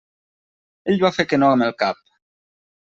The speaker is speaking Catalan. Ell va fer que no amb el cap.